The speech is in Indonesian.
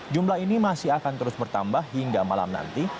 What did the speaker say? jumlah ini masih akan terus bertambah hingga malam nanti